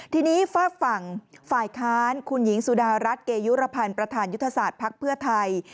ทีนี้ฝากฝั่งฝ่ายค้านคุณหญิงสุดารัฐเกยุรพันธ์ประธานยุทธศาสตร์ภักดิ์เพื่อไทย